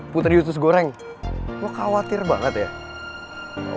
putri utus goreng wah khawatir banget ya